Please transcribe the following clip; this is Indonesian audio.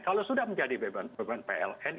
kalau sudah menjadi beban pln